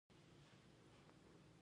د توتانو ګلونه نه معلومیږي؟